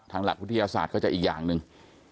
หลักวิทยาศาสตร์ก็จะอีกอย่างหนึ่ง